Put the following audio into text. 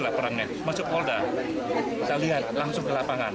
laporannya masuk polda kita lihat langsung ke lapangan